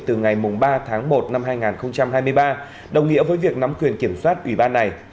từ ngày ba tháng một năm hai nghìn hai mươi ba đồng nghĩa với việc nắm quyền kiểm soát ủy ban này